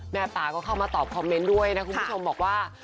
ป่าก็เข้ามาตอบคอมเมนต์ด้วยนะคุณผู้ชมบอกว่า